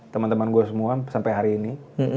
teman teman gue semua sampai hari ini